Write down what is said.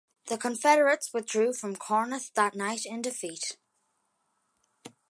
The Confederates withdrew from Corinth that night in defeat.